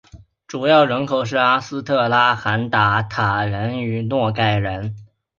主要人口是阿斯特拉罕鞑靼人与诺盖人。